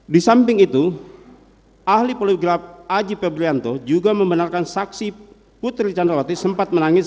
di samping itu ahli poliograf aji pebrianto juga membenarkan saksi putri candrawati sempat menangis